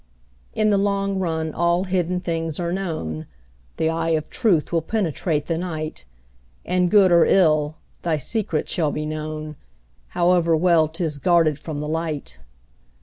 In the long run all hidden things are known, The eye of truth will penetrate the night, And good or ill, thy secret shall be known, However well 'tis guarded from the light.